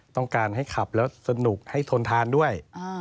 ต้องการให้ขับแล้วสนุกให้ทนทานด้วย